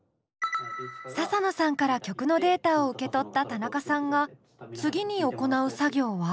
ササノさんから曲のデータを受け取ったたなかさんが次に行う作業は？